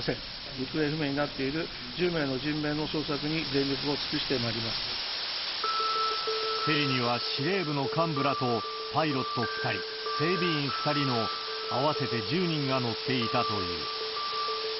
行方不明になっている１０名の人命の捜索に全力を尽くしてまいりヘリには司令部の幹部らと、パイロット２人、整備員２人の、合わせて１０人が乗っていたという。